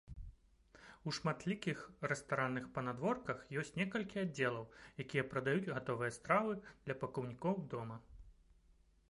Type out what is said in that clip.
У шматлікіх рэстаранных панадворках ёсць некалькі аддзелаў, якія прадаюць гатовыя стравы для пакупнікоў дома.